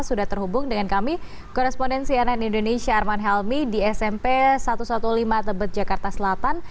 sudah terhubung dengan kami korespondensi ann indonesia arman helmi di smp satu ratus lima belas tebet jakarta selatan